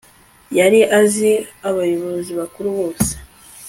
Yari azi abayobozi bakuru bose